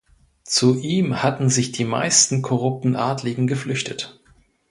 Zu ihm hatten sich die meisten korrupten Adeligen geflüchtet.